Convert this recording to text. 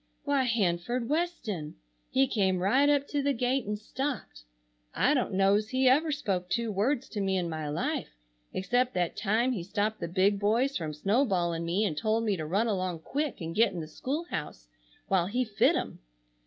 Why, Hanford Weston. He came right up to the gate and stopped. I don't know's he ever spoke two words to me in my life except that time he stopped the big boys from snow balling me and told me to run along quick and git in the school house while he fit 'em.